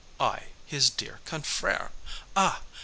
I, his dear confrère! Ah!